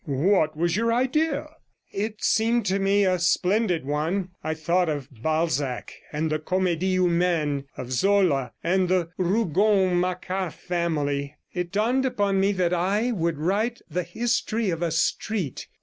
'What was your idea?' 'It seemed to me a splendid one: I thought of Balzac and the Comedie Humaine, of Zola and the Rougon Macquart family. It dawned upon me that I would write the history of a street.